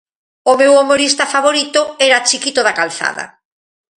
O meu humorista favorito era Chiquito da Calzada.